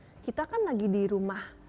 kenapa ya kita kan lagi di rumah